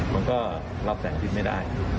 มันก็รับแสงอาทิตย์ไม่ได้